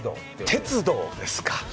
鉄道ですか？